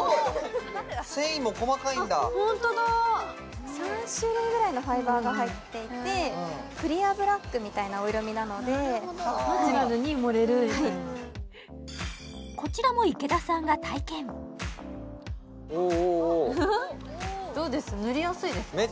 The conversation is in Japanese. あっホントだ３種類ぐらいのファイバーが入っていてクリアブラックみたいなお色みなのでなるほどはいこちらも池田さんが体験おおおおおおどうです塗りやすいですか？